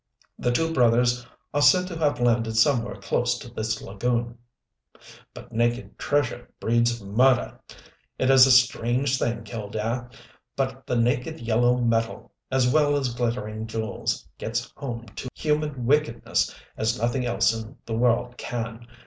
The two brothers are said to have landed somewhere close to this lagoon. "But naked treasure breeds murder! It is a strange thing, Killdare, but the naked, yellow metal, as well as glittering jewels, gets home to human wickedness as nothing else in the world can.